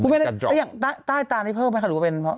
อย่างใต้ตารี่เพิ่มไหมคะหรือเป็นเพราะ